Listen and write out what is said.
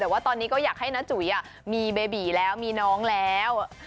แต่ว่าตอนนี้ก็อยากให้น้าจุ๋ยมีเบบีแล้วมีน้องแล้ว